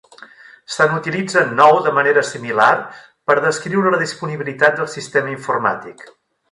Se n'utilitzen nou de manera similar per descriure la disponibilitat del sistema informàtic.